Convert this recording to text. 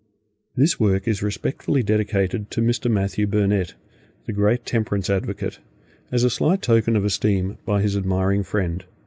THIS WORK IS RESPECTFULLY DEDICATED TO MR. MATTHEW BURNETT, THE GREAT TEMPERANCE ADVOCATE, AS A SLIGHT TOKEN OF ESTEEM BY HIS ADMIRING FRIEND, THE AUTHOR.